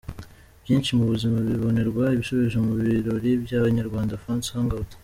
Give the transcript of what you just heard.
Byinshi mu bibazo bibonerwa ibisubizo mu birori bya Inyarwanda Fans Hangout.